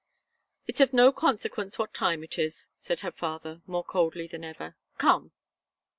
"It's of no consequence what time it is," said her father, more coldly than ever. "Come!"